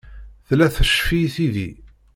Tella teccef-iyi tidi.